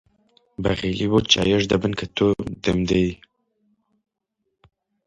بەغیلی بەو چایییەش دەبەن کە تۆ دەمدەیەی!